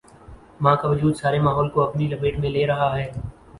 ماں کا وجودسارے ماحول کو اپنی لپیٹ میں لے رہا ہے۔